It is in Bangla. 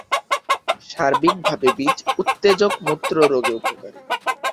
সার্বিকভাবে বীজ উত্তেজক, মূত্র রোগে উপকারী।